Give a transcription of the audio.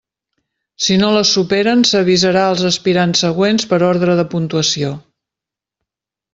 Si no les superen, s'avisarà els aspirants següents per ordre de puntuació.